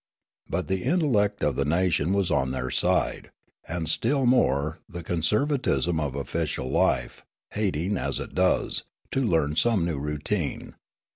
But ihe intellect of the nation was on their side, and still more the conservatism of official life, hating, as it does, to learn some new routine.